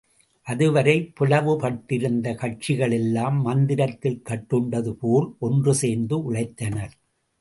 அதுவரை பிளவுபட்டிருந்த கட்சிகளெல்லாம் மந்திரத்தில் கட்டுண்டதுபோல் ஒன்று சேர்ந்து உழைத்தனர்.